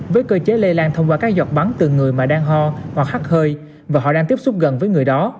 với cơ chế lây lan thông qua các giọt bắn từ người mà đang ho hoặc hắt hơi và họ đang tiếp xúc gần với người đó